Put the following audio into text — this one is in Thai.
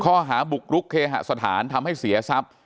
ข้อหาบุกรุกเคหสถานทำให้เสียทรัพย์